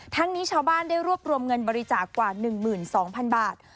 นี้ชาวบ้านได้รวบรวมเงินบริจาคกว่า๑๒๐๐๐บาท